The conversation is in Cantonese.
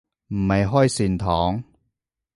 唔係開善堂